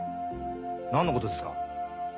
何のことですか？